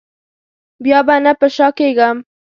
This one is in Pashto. بیا به نه په شا کېږم.